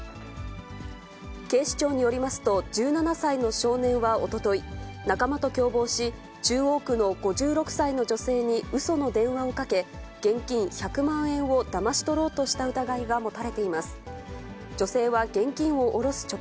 警視庁によりますと、１７歳の少年はおととい、仲間と共謀し、中央区の５６歳の女性にうその電話をかけ、現金１００万円をだまし取ろうとした疑いが持たれています。